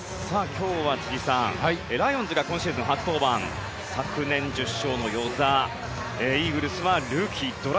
今日は辻さんライオンズが今シーズン初登板昨年１０勝の與座イーグルスはルーキー、ドラ